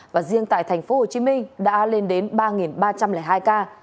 và riêng tại tp hcm đã lên đến ba ba trăm linh hai ca